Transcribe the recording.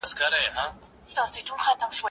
زه پرون مړۍ خورم؟